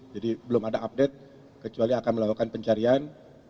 jadi belum ada update kecuali akan melakukan pencarian